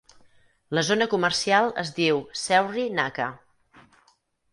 La zona comercial es diu "Sewri Naka".